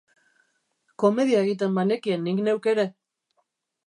Komedia egiten banekien nik neuk ere!